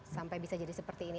sampai bisa jadi seperti ini